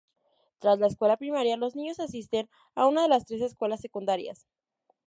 Tras la escuela primaria los niños asisten a una de las tres escuelas secundarias.